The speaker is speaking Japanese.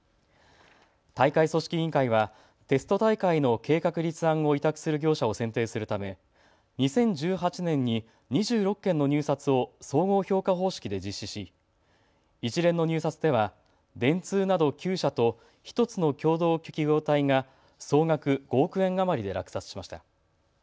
大会組織委員会はテスト大会の計画立案を委託する業者を選定するため２０１８年に２６件の入札を総合評価方式で実施し一連の入札では電通など９社と１つの共同企業体が総額５億円余りで落札しました。